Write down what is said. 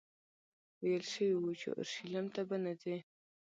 ویل شوي وو چې اورشلیم ته به نه ځې.